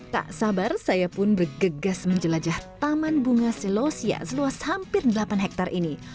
tak sabar saya pun bergegas menjelajah taman bunga selosia seluas hampir delapan hektare ini